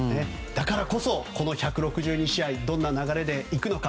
だからこそ、この１６２試合どんな流れで行くのか。